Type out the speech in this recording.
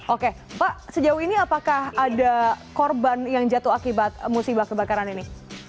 oke pak sejauh ini apakah ada korban yang jatuh akibat musibah kebakaran ini